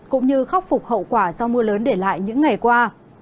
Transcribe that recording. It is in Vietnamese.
cũng như khắc phục hậu quả do mưa lớn để lại những ngày qua